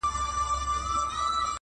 نن دي د دښتونو پر لمنه رمې ولیدې؛